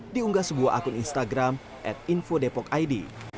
diunggah sebuah akun instagram at info depok id